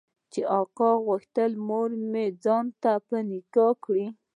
چې اکا غوښتل مورمې ځان ته په نکاح کړي.